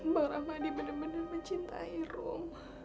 bang ramadhi benar benar mencintai rumah